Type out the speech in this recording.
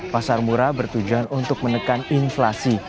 pasar murah bertujuan untuk menekan inflasi